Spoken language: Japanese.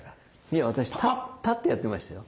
いや私立ってやってましたよ。